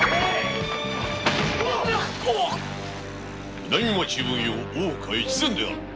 南町奉行・大岡越前である。